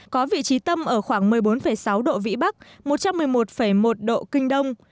có vị trí tâm ở khoảng một mươi bốn sáu độ vĩ bắc một trăm một mươi một một độ kinh đông